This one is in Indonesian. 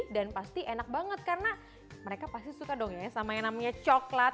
dan pasti enak banget karena mereka pasti suka dong ya sama yang namanya coklat